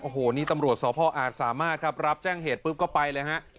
โอ้โหนี่ตำรวจสพอาจสามารถครับรับแจ้งเหตุปุ๊บก็ไปเลยฮะ